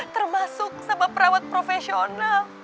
termasuk sama perawat profesional